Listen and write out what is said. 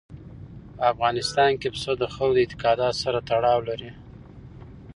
په افغانستان کې پسه د خلکو د اعتقاداتو سره تړاو لري.